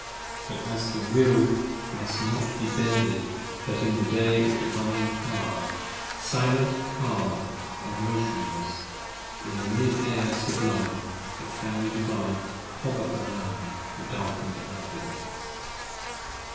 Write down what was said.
But as the Will must not be bended but in the day of Divine Power: silent calm & motionless, in the mid air sublime, 20 The Family Divine hover around the darkened Albion.